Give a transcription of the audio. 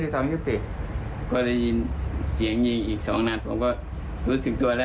จะขัดแย้งกับร้านไหนหรือเปล่า